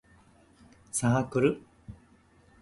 サークル